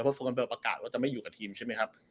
เพราะโฟล์แคมเบลประกาศจะไม่อยู่กับทีมใช่มั้ยครับ